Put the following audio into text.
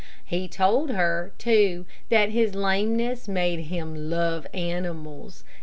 He told her, too, that his lameness made him love animals.